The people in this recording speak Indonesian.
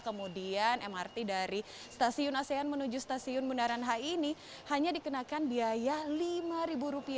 kemudian mrt dari stasiun asean menuju stasiun bundaran hi ini hanya dikenakan biaya rp lima